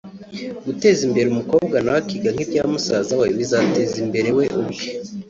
Guteza imbere umukobwa nawe akiga nk’ibya musaza we bizateza imbere we ubwe